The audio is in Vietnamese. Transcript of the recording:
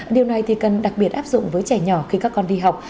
điều này thì cần đặc biệt áp dụng với trẻ nhỏ khi các con đi học